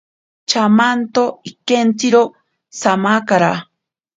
Chamanto ikentziro samakara.